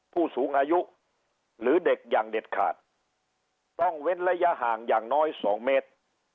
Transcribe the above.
ผู้สูงอายุหรือเด็กอย่างเด็ดขาดต้องเว้นระยะห่างอย่างน้อย๒เมตร